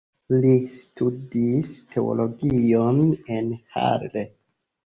Li studis teologion en Halle.